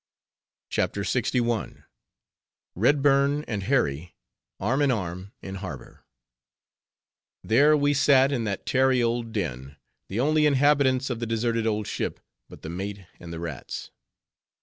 CHAPTER LXI. REDBURN AND HARRY, ARM IN ARM, IN HARBOR There we sat in that tarry old den, the only inhabitants of the deserted old ship, but the mate and the rats.